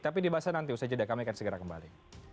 tapi dibahasnya nanti usai jeda kami akan segera kembali